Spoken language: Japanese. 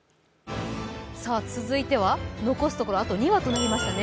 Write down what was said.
続いては、残すところあと２話となりましたね。